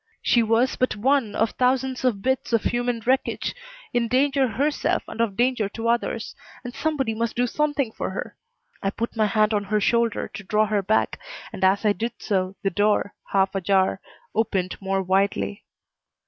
She was but one of thousands of bits of human wreckage, in danger herself and of danger to others, and somebody must do something for her. I put my hand on her shoulder to draw her back and as I did so the door, half ajar, opened more widely.